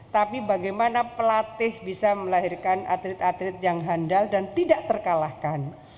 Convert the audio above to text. tapi bagaimana pelatih bisa melahirkan atlet atlet yang handal dan tidak terkalahkan